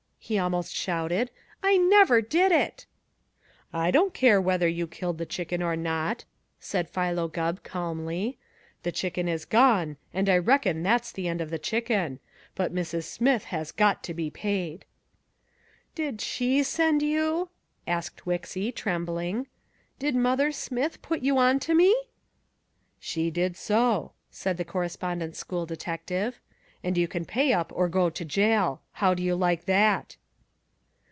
he almost shouted. "I never did it!" "I don't care whether you killed the chicken or not," said Philo Gubb calmly. "The chicken is gone, and I reckon that's the end of the chicken. But Mrs. Smith has got to be paid." "Did she send you?" asked Wixy, trembling. "Did Mother Smith put you onto me?" "She did so," said the Correspondence School detective. "And you can pay up or go to jail. How'd you like that?"